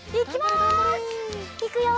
いくよ！